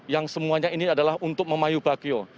yang semuanya ini adalah untuk memayu bakyo